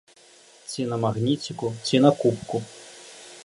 Ці на магніціку, ці на кубку.